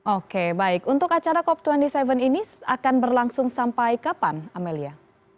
oke baik untuk acara cop dua puluh tujuh ini akan berlangsung sampai kapan amelia